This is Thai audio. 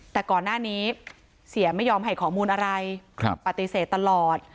แต่ก่อนหน้านี้เสียไม่ยอมให้ข้อมูลอะไรปฏิเสธตลอด